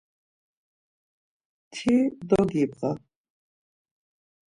Ti dogibğa!